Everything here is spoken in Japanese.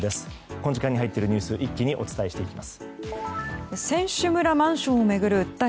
この時間に入っているニュース一気にお伝えしていきます。